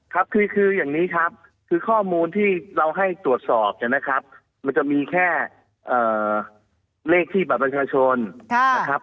ครับคืออย่างนี้ครับคือข้อมูลที่เราให้ตรวจสอบเนี่ยนะครับมันจะมีแค่เลขที่บัตรประชาชนนะครับ